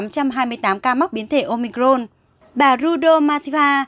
hai tám trăm hai mươi tám ca mắc biến thể omicron bà rudol mathiva